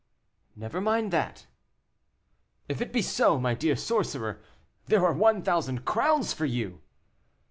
"Never mind that." "If it be so, my dear sorcerer, there are one thousand crowns for you."